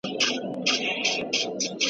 سیال هیواد سیاسي بندیان نه ساتي.